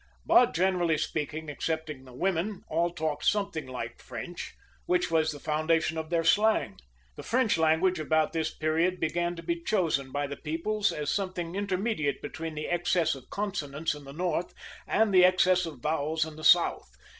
But generally speaking, excepting the women, all talked something like French, which was the foundation of their slang. The French language about this period began to be chosen by the peoples as something intermediate between the excess of consonants in the north and the excess of vowels in the south.